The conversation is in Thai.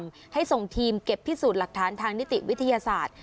ส่งให้ส่งทีมเก็บพิสูจน์หลักฐานทางนิติวิทยาศาสตร์